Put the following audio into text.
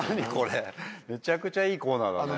めちゃくちゃいいコーナーだね。